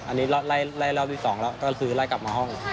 อันนี้ไล่รอบที่๒แล้วก็คือไล่กลับมาห้อง